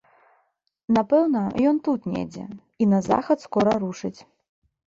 Напэўна, ён тут недзе і на захад скора рушыць.